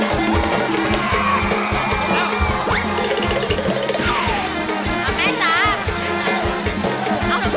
จุ๊กแล้ว